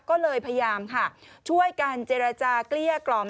ก็เลยพยายามค่ะช่วยกันเจรจาเกลี้ยกล่อม